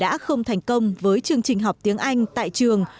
nhiều em cũng không thành công với chương trình học tiếng anh tại trường